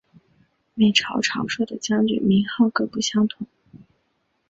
每朝常设的将军名号各不相同。